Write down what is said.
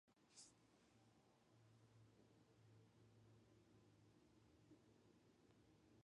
Within a minute, all airport fire and emergency units are alerted.